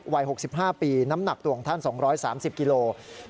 วัย๖๕ปีน้ำหนักตัวของท่าน๒๓๐กิโลกรัม